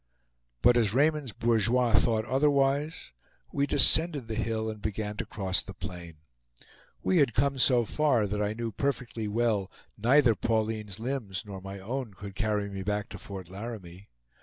But as Raymond's bourgeois thought otherwise, we descended the hill and began to cross the plain. We had come so far that I knew perfectly well neither Pauline's limbs nor my own could carry me back to Fort Laramie.